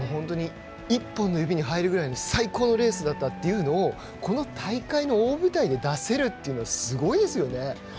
１本の指に入るくらいの最高のレースだったというのをこの大会の大舞台で出せるというのはすごいですよね。